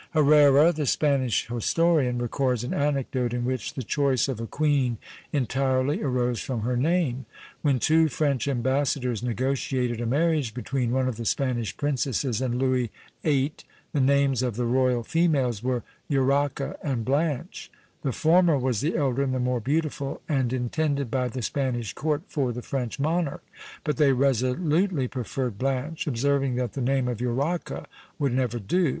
Herrera, the Spanish historian, records an anecdote in which the choice of a queen entirely arose from her name. When two French ambassadors negotiated a marriage between one of the Spanish princesses and Louis VIII., the names of the Royal females were Urraca and Blanche. The former was the elder and the more beautiful, and intended by the Spanish court for the French monarch; but they resolutely preferred Blanche, observing that the name of Urraca would never do!